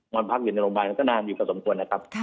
นอนพักอยู่ในโรงพยาบาลนั้นก็นานอยู่พอสมควรนะครับ